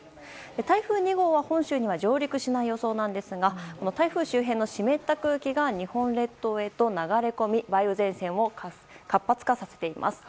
台風２号は本州には上陸しない予想ですが台風周辺の湿った空気が日本列島へと流れ込み梅雨前線を活発化させています。